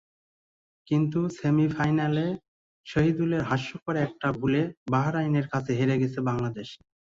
কিন্তু সেমিফাইনালে শহীদুলের হাস্যকর একটা ভুলে বাহরাইনের কাছে হেরে গেছে বাংলাদেশ।